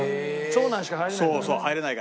長男しか入れない。